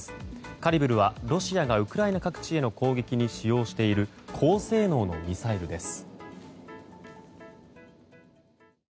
カリブルはロシアがウクライナ各地への攻撃に使用している高性能のミサイルです。